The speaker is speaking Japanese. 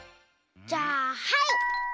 じゃあはい！